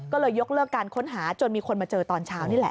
ก็เลยยกเลิกการค้นหาจนมีคนมาเจอตอนเช้านี่แหละ